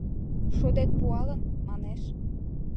— Шодет пуалын, манеш.